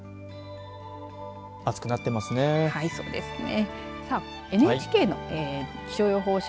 暑くなってますね。